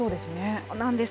そうなんです。